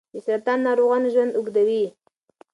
د سرطان ناروغانو ژوند اوږدوي.